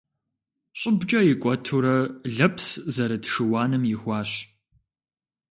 Щӏыбкӏэ икӏуэтурэ лэпс зэрыт шыуаным ихуащ.